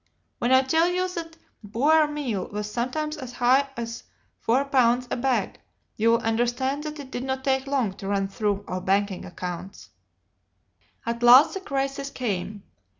When I tell you that Boer meal was sometimes as high as four pounds a bag, you will understand that it did not take long to run through our banking account. "At last the crisis came.